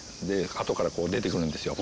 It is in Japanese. あとからこう出てくるんですよ